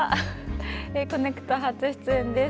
「コネクト」初出演です。